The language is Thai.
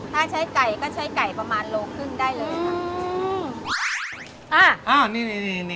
ถ้าใช้ไก่ก็ใช้ไก่ประมาณโลครึ่งได้เลยค่ะ